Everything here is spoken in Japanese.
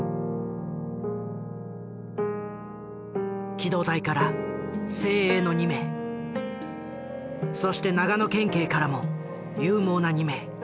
機動隊から精鋭の２名そして長野県警からも勇猛な２名。